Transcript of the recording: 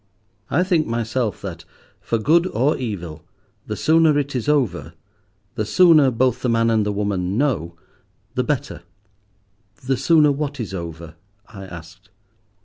I think myself that, for good or evil, the sooner it is over—the sooner both the man and the woman know—the better." "The sooner what is over?" I asked.